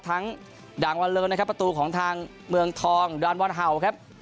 ทั้งด่างวันเลอร์นะครับประตูของทางเมืองทองดอนบอลเห่าครับ